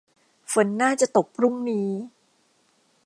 ฝนน่าจะตกพรุ่งนี้